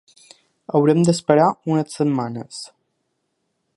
Haurem d’esperar unes setmanes.